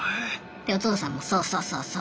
でお父さんも「そうそうそうそう。